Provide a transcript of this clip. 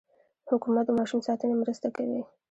حکومت د ماشوم ساتنې مرسته کوي.